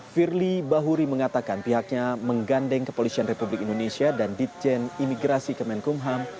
firly bahuri mengatakan pihaknya menggandeng kepolisian republik indonesia dan ditjen imigrasi kemenkumham